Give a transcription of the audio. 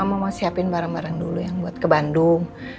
mau siapin barang barang dulu yang buat ke bandung